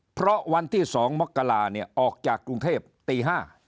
เพราะวันที่๒มกราเนี่ยออกจากกรุงเทพตี๕